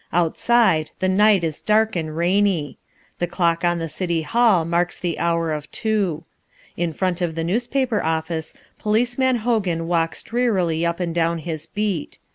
Outside the night is dark and rainy. The clock on the City Hall marks the hour of two. In front of the newspaper office Policeman Hogan walks drearily up and down his beat.